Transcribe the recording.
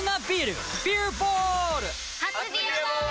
初「ビアボール」！